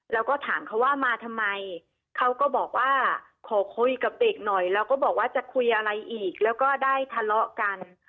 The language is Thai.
แล้วก็ถามเขาว่ามาทำไมเขาก็บอกว่าขอคุยกับเด็กหน่อยแล้วก็บอกว่าจะคุยอะไรอีกแล้วก็ได้ทะเลาะกัน